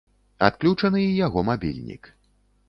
Адключаны і яго мабільнік.